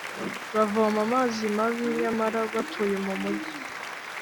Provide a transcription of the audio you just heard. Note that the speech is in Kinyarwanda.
bavoma amazi mabi nyamara batuye mu mujyi